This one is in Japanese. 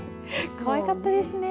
かわいかったですね。